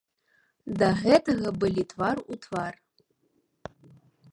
Да гэтага былі твар у твар.